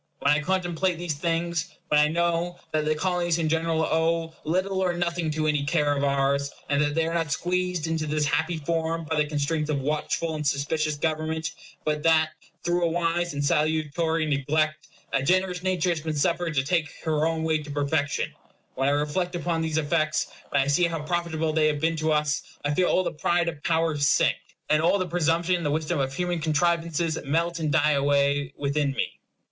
When I contemplate these things; when I know that the Colonies in general owe little or nothing to any care of ours, and that they are not squeezed into this happy form by the constraints of watchful and suspicious government, but that, through a wise and salutary neglect, a generous nature has been suffered to take her own way to perfection; when I reflect upon these effects, when I see how profitable they have been to us, I feel all the pride of power sink, and all presumption in the wisdom of human contrivances melt and die away within me.